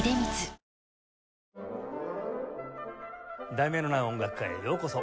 『題名のない音楽会』へようこそ。